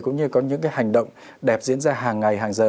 cũng như có những hành động đẹp diễn ra hàng ngày hàng giờ